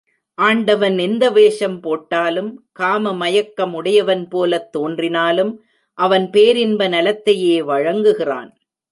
ஆண்டவன் எந்த வேஷம் போட்டாலும், காம மயக்கம் உடையவன் போலத் தோன்றினாலும், அவன் பேரின்ப நலத்தையே வழங்குகிறான்.